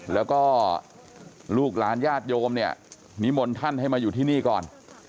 แล้วก็ลูกหลานญาติโยมเนี่ยนิมนต์ท่านให้มาอยู่ที่นี่ก่อน